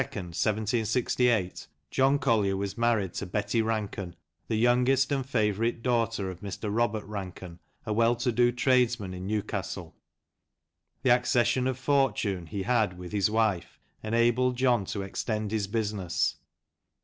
On January 22nd, 1768, John Collier was married to Betty Ranken, the youngest and favourite daughter of Mr. Robert Ranken, a well to do tradesman in Newcastle. The accession of fortune he had with his wife enabled John to extend his business.